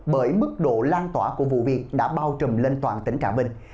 bởi mức độ lan tỏa của vụ việc đã bao trùm lên toàn tỉnh trà vinh